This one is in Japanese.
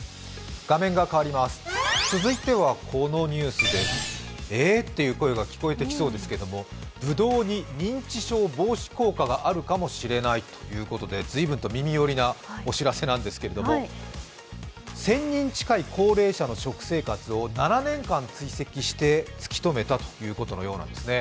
続いてはこのニュースです。え？！という声が聞こえてきそうですけれども、ぶどうに認知症防止効果があるかもしれないということで随分と耳寄りなお知らせなんですけれども、高齢者の食生活を７年間近く追跡して突き止めたということのようなんですね。